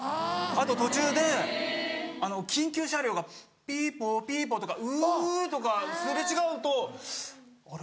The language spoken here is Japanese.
あと途中で緊急車両がピポピポとかウゥとか擦れ違うとあれ？